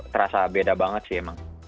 terasa beda banget sih emang